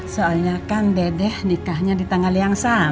soalnya kan dedek nikahnya di tanggal yang sama